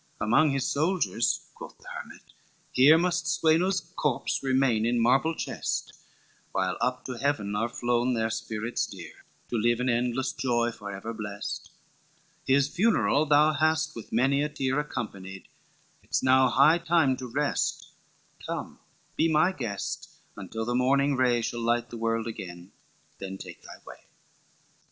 XL "'Among his soldiers,' quoth the hermit, 'here Must Sweno's corpse remain in marble chest, While up to heaven are flown their spirits dear, To live in endless joy forever blest, His funeral thou hast with many a tear Accompanied, it's now high time to rest, Come be my guest, until the morning ray Shall light the world again, then take thy way.